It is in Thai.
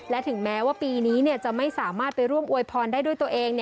และถึงแม้ว่าปีนี้จะไม่สามารถไปร่วมอวยพรได้ด้วยตัวเอง